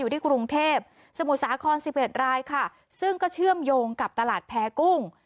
อยู่ที่กรุงเทพสมุทรสาคร๑๑รายค่ะซึ่งก็เชื่อมโยงกับตลาดแพ้กุ้ง